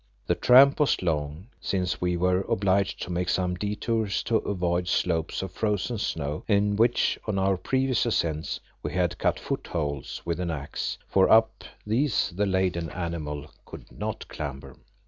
The tramp was long since we were obliged to make some detours to avoid slopes of frozen snow in which, on our previous ascents, we had cut footholds with an axe, for up these the laden animal could not clamber.